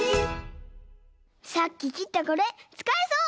さっききったこれつかえそう！